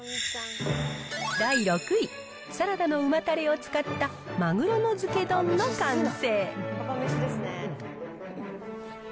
第６位、サラダの旨たれを使ったマグロの漬け丼の完成。